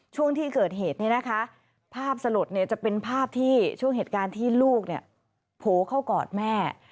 ช่วงที่เกิดเหตุเนี่ยนะคะภาพสลดเนี่ยจะเป็นภาพที่ช่วงเหตุการณ์ที่ลูกเนี่ยโผล่เข้ากอดแม่